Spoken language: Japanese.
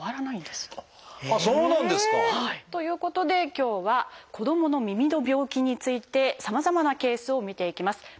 ということで今日は子どもの耳の病気についてさまざまなケースを見ていきます。